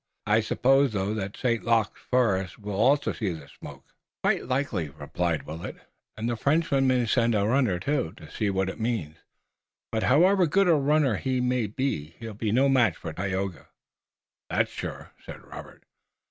I suppose, though, that St. Luc's force also will see the smoke." "Quite likely," replied Willet, "and the Frenchman may send a runner, too, to see what it means, but however good a runner he may be he'll be no match for Tayoga." "That's sure," said Robert.